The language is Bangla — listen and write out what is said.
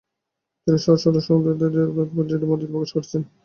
তিনি সহজ সরল ভাষায় সহৃদয়তার সংগে তাৎপর্যমণ্ডিত করে প্রকাশ করেছেন।